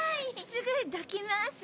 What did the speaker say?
すぐどきます。